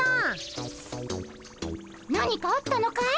何かあったのかい？